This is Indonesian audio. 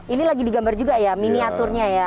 ini lagi digambar juga ya miniaturnya ya